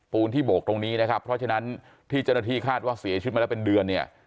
ที่โบกตรงนี้นะครับเพราะฉะนั้นที่เจ้าหน้าที่คาดว่าเสียชีวิตมาแล้วเป็นเดือนเนี่ย